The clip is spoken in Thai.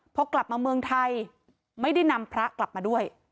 พอกลับมาเมืองไทยไม่ได้นำพระกลับมาด้วย